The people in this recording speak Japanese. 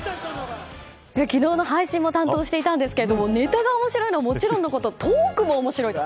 昨日の配信も担当していたんですけれどもネタが面白いのはもちろんのことトークも面白いと。